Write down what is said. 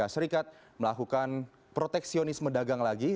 amerika serikat melakukan proteksionisme dagang lagi